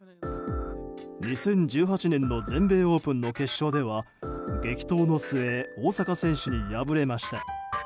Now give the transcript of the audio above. ２０１８年の全米オープンの決勝では激闘の末大坂選手に敗れました。